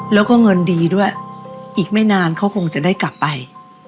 แล้วก็เงินดีด้วยอีกไม่นานเขาคงจะได้กลับไป